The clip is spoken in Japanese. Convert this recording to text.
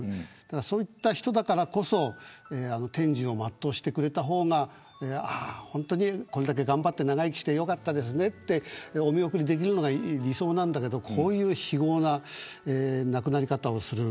そういった人だからこそ天寿を全うしてくれた方が本当に、これだけ頑張って長生きして良かったですねとお見送りできるのが理想なんだけどこういう非業な亡くなり方をする。